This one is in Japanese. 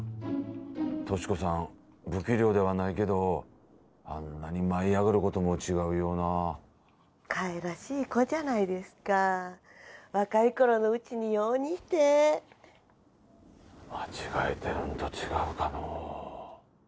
俊子さん不器量ではないけどあんなに舞い上がる子とも違うようなかえらしい子じゃないですか若い頃のうちによう似て間違えてるんと違うかのう